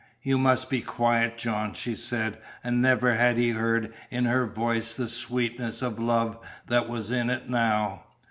"You must be quiet, John," she said, and never had he heard in her voice the sweetness of love that was in it now.